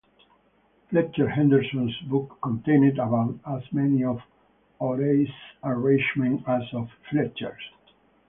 Fletcher Henderson's book contained about as many of Horace's arrangements as of Fletcher's.